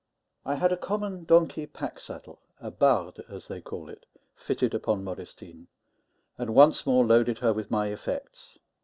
I had a common donkey pack saddle a barde, as they call it fitted upon Modestine; and once more loaded her with my effects.